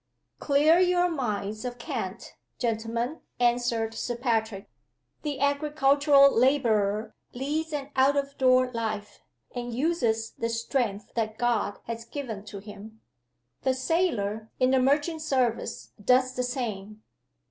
"Clear your minds of cant, gentlemen," answered Sir Patrick. "The agricultural laborer leads an out of door life, and uses the strength that God has given to him. The sailor in the merchant service does the name.